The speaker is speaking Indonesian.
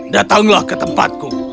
datanglah ke tempatku